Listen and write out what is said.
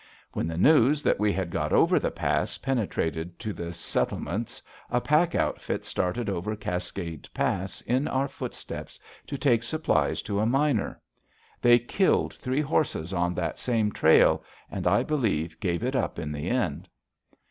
When the news that we had got over the pass penetrated to the settlements, a pack outfit started over Cascade Pass in our footsteps to take supplies to a miner. They killed three horses on that same trail, and I believe gave it up in the end.